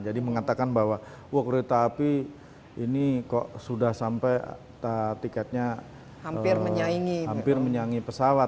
jadi mengatakan bahwa wah kereta api ini kok sudah sampai tiketnya hampir menyaingi pesawat